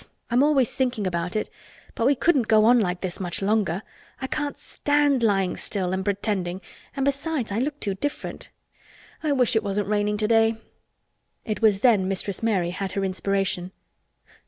I'm always thinking about it—but we couldn't go on like this much longer. I can't stand lying still and pretending, and besides I look too different. I wish it wasn't raining today." It was then Mistress Mary had her inspiration.